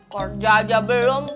kerja aja belum